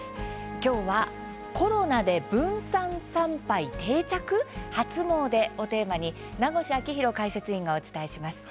きょうは「コロナで分散参拝定着？初詣」をテーマに名越章浩解説委員がお伝えします。